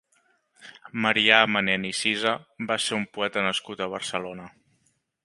Marià Manent i Cisa va ser un poeta nascut a Barcelona.